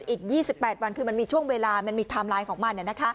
อีก๒๘วันคือมันมีช่วงเวลามันมีไทม์ไลน์ของมัน